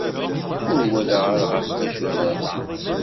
Ur walaɣ ara ɣef wacu ara dduɣ.